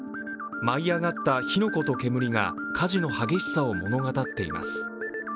舞い上がった火の粉と煙が火事の激しさを物語っています。